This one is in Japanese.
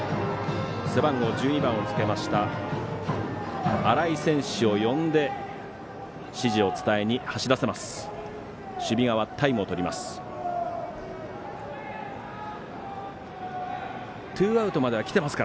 背番号１、２番をつけました新井選手を呼んで指示を伝えに走らせます。